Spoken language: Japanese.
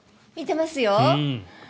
見てますよ。